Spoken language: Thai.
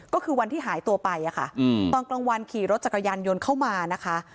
ก็คือวันที่หายตัวไปค่ะตอนกลางวันขี่รถจักรยานยนต์เข้ามานะคะ